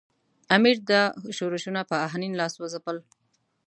امیر دا ښورښونه په آهنین لاس وځپل.